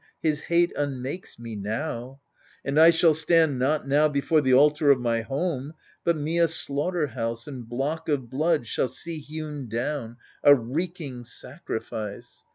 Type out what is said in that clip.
His hate unmakes me now : and I shall stand Not now before the altar of my home. But me a slaughter house and block of blood Shall see hewn down, a reeking sacrifice.